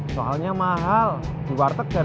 soalnya mahal di warteg jarang ada